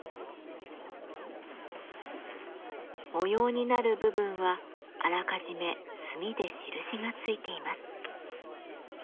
模様になる部分はあらかじめ墨で印がついています。